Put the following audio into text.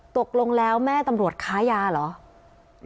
ตกลงแล้วแม่ตำรวจค้ายาเหรอ